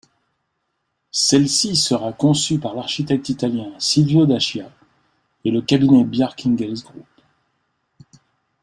Celle-ci sera conçue par l'architecte italien Silvio d'Ascia et le cabinet Bjarke Ingels Group.